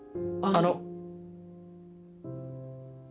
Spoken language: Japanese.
あの。